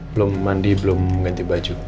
belum mandi belum ganti baju